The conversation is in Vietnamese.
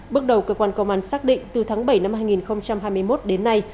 bước đầu cơ quan công an xác định từ tháng bảy năm hai nghìn hai mươi một đến nay